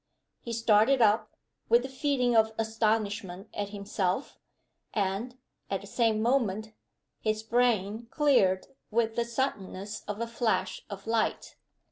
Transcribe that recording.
He started up, with a feeling of astonishment at himself and, at the same moment his brain cleared with the suddenness of a flash of light.